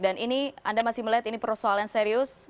dan ini anda masih melihat ini persoalan serius